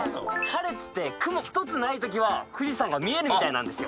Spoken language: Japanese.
晴れてて雲１つない時は富士山が見えるみたいなんです。